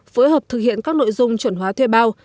phối hợp thực hiện các nội dung chuẩn hóa thuê bao